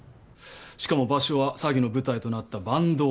しかも場所は詐欺の舞台となった坂東邸。